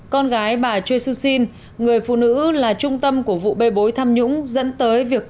con gái bà choi soo sin người phụ nữ là trung tâm của vụ bê bối tham nhũng dẫn tới việc